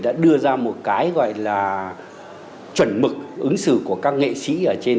đã đưa ra một cái gọi là chuẩn mực ứng xử của các nghệ sĩ